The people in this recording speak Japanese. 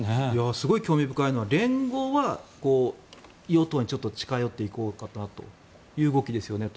すごい興味深いのは連合は与党にちょっと近寄っていこうかなという動きですよねと。